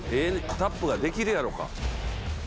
タップができるやろか？